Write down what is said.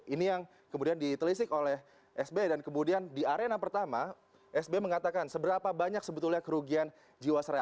ini yang kemudian ditelisik oleh sby dan kemudian di arena pertama sby mengatakan seberapa banyak sebetulnya kerugian jiwasraya